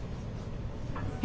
え？